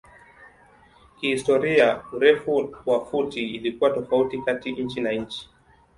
Kihistoria urefu wa futi ilikuwa tofauti kati nchi na nchi.